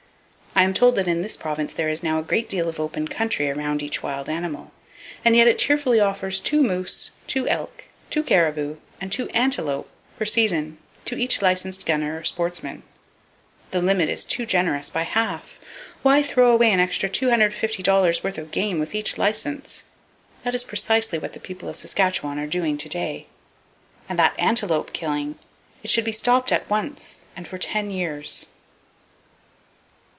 I am told that in this province there is now a great deal of open country around each wild animal. And yet, it cheerfully offers two moose, two elk, two caribou and two antelope per season to each licensed gunner or sportsman. The limit is too generous by half. Why throw away an extra $250 worth of game with each license? That is precisely what the people of Saskatchewan are doing to day. And that antelope killing! It should be stopped at once, and for ten years.